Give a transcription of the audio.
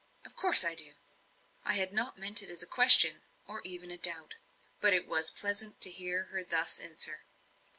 "Of course I do." I had not meant it as a question, or even a doubt. But it was pleasant to hear her thus answer.